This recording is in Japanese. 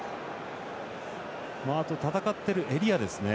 あと、戦ってるエリアですね。